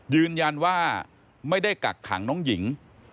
ยืนยันว่าไม่ได้กักขังน้องหญิง